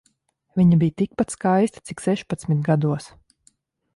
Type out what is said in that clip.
Viņa bija tikpat skaista cik sešpadsmit gados.